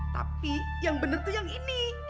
tapi yang benar tuh yang ini